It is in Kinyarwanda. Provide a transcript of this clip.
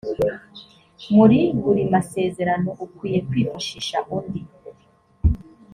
muri buri masezerano ukwiye kwifashisha undi